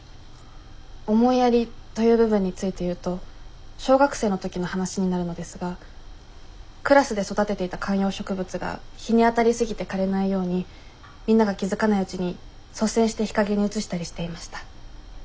思いやりという部分について言うと小学生の時の話になるのですがクラスで育てていた観葉植物が日に当たり過ぎて枯れないようにみんなが気付かないうちに率先して日陰に移したりしていました。